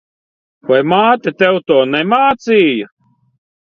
Vai māte tev to nemācīja?